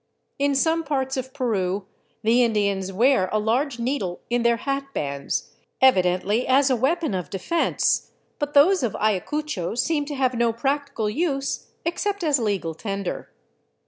In some parts of Peru the Indians wear a large needle in their hat bands, evidently as a weapon of defense, but those of Ayacucho seem to have no practical use, except as legal tender.